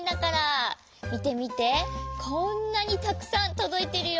こんなにたくさんとどいてるよ。